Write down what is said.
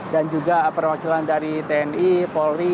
dan juga perwakilan dari tni polri